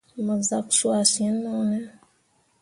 Mo zak cuah sin no ne ?